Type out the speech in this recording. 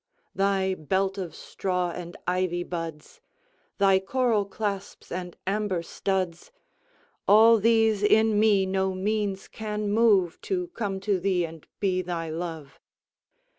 Thy belt of straw and ivy buds, Thy coral clasps and amber studs,—All these in me no means can moveTo come to thee and be thy Love.